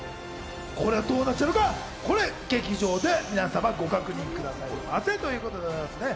どうなっちゃうか、これは劇場で皆様ご確認くださいませということでございますね。